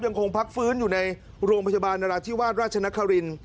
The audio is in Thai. ยังคงพักฟื้นอยู่ในโรงพยาบาลนราธิวาสราชนคริน